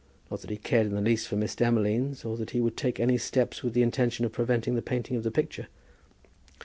Not that he cared in the least for Miss Demolines, or that he would take any steps with the intention of preventing the painting of the picture.